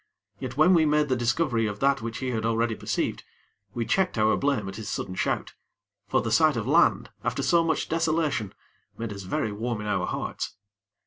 Yet when we made discovery of that which he had already perceived, we checked our blame at his sudden shout; for the sight of land, after so much desolation, made us very warm in our hearts.